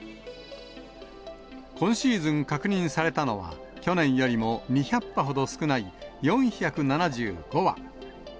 今シーズン確認されたのは、去年よりも２００羽ほど少ない４７５羽。